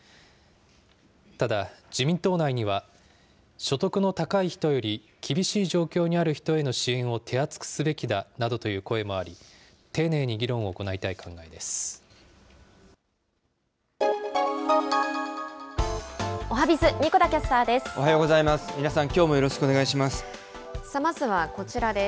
ただ、自民党内には、所得の高い人より厳しい状況にある人への支援を手厚くすべきだなどという声もあり、丁寧に議論を行いたい考えです。